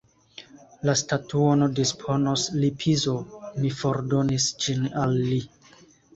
La statuon disponos Lizipo, mi fordonis ĝin al li.